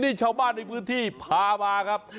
นี่ชาวบ้านที่พามาครับ